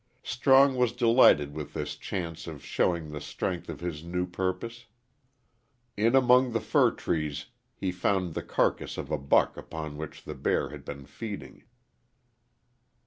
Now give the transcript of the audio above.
Strong was delighted with this chance of showing the strength of his new purpose. In among the fir trees he found the carcass of a buck upon which the bear had been feeding.